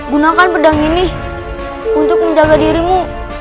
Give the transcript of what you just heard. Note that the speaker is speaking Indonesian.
gunakan pedang ini untuk menjaga dirimu